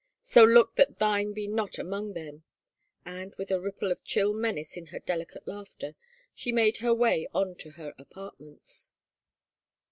... So look that thine be not among them," and with a ripple of chill menace in her delicate laughter she made her way on to her apartments.